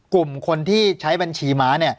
กลุ่มคนที่ใช้บัญชีม้า